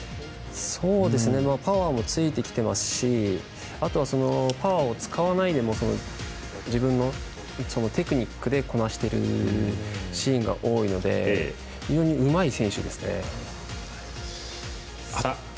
パワーもついてきてますしあとはそのパワーを使わないでも自分のテクニックでこなしているシーンが多いので非常にうまい選手ですね。